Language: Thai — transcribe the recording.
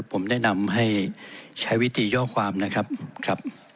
ผมแนะนำให้ใช้วิธีย่อความนะครับครับ